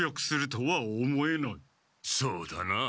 そうだな。